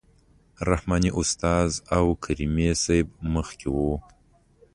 رحماني استاد او کریمي صیب مخکې وو.